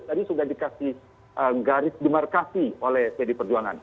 tadi sudah dikasih garis demarkasi oleh pd perjuangan